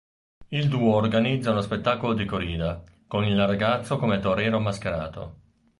Il duo organizza uno spettacolo di corrida, con il ragazzo come torero mascherato.